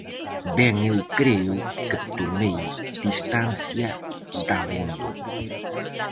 Ben eu creo que tomei distancia dabondo...